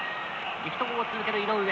力投を続ける井上。